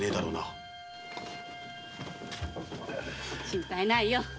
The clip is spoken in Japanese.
心配ないよ